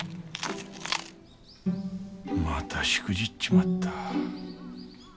またしくじっちまった。